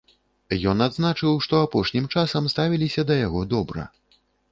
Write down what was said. Ён адзначыў, што апошнім часам ставіліся да яго добра.